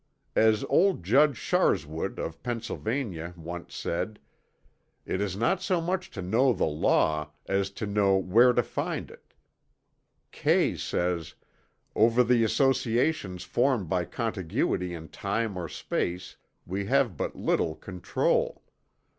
As old Judge Sharswood, of Pennsylvania, once said: "It is not so much to know the law, as to know where to find it." Kay says: "Over the associations formed by contiguity in time or space we have but little control.